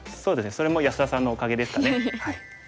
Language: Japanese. それも安田さんのおかげですかね。